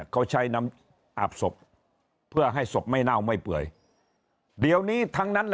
เขาใช้นำอาบสมพันธ์เพื่อให้สมพันธ์ไม่เนาะไม่เปื่อยเดี๋ยวนี้ทั้งนั้น